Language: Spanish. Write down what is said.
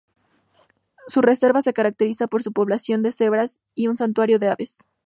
Su reserva se caracteriza por su población de cebras y un santuario de aves.